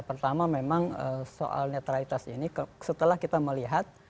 karena memang soal netralitas ini setelah kita melihat